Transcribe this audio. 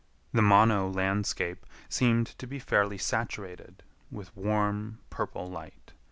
The Mono landscape seemed to be fairly saturated with warm, purple light.